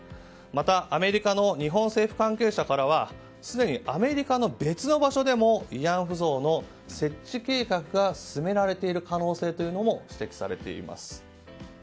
また、アメリカの日本政府関係者からはすでにアメリカの別の場所でも慰安婦像の設置計画が進められている可能性も指摘されています。